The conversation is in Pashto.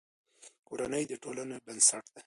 کورنۍ د ټولنې بنسټ دی.